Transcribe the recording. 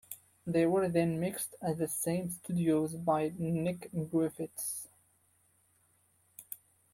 They were then mixed at the same studio by Nick Griffiths.